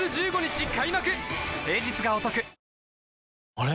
あれ？